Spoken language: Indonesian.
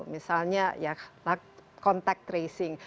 misalnya ya contact tracing